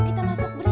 kita masuk berita